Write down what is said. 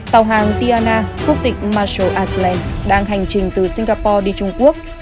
tàu hàng tiana khúc tịch marshall aslan đang hành trình từ singapore đi trung quốc